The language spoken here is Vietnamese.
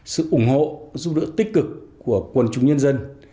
sự ủng hộ giúp đỡ tích cực của quần chúng nhân dân